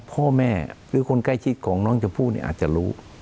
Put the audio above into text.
พ่อแม่หรือคนใกล้ชิดของน้องชมพู่เนี่ยอาจจะรู้